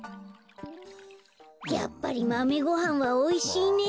やっぱりマメごはんはおいしいねえ。